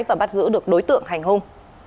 và bắt giữ được đối tượng hành hùng